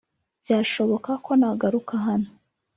byashoboka ko nagaruka hano